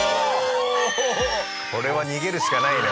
これは逃げるしかないね